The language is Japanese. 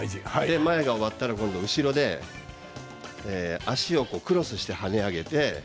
前が終わったら後ろでクロスして跳ね上げる。